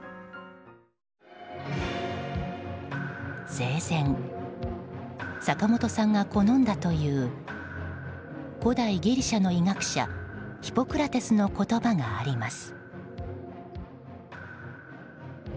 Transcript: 生前、坂本さんが好んだという古代ギリシャの医学者ヒポクラテスの言葉があります。